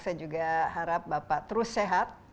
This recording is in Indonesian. saya juga harap bapak terus sehat